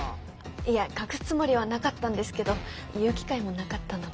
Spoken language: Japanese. いえ隠すつもりはなかったんですけど言う機会もなかったので。